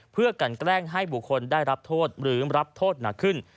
เพื่อกันแกล้งให้บุคคลได้รับโทษหรือรับโทษหนักขึ้น